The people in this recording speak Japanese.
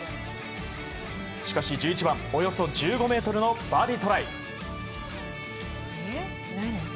しかし１１番、およそ１５ｍのバーディートライ。